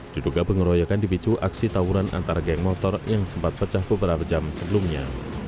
diduga pengeroyakan di picu aksi taburan antara geng motor yang sempat pecah beberapa jam sebelumnya